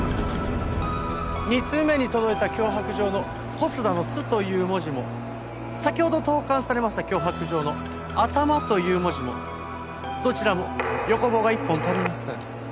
２通目に届いた脅迫状の小須田の「須」という文字も先ほど投函されました脅迫状の「頭」という文字もどちらも横棒が１本足りません。